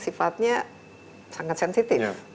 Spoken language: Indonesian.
sifatnya sangat sensitif